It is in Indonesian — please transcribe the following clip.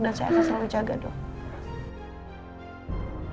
dan saya akan selalu jaga dok